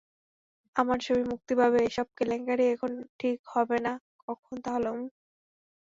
আমার ছবি মুক্তি পাবে এসব কেলেঙ্কারি এখন ঠিক হবে না কখন তাহলে, ওম?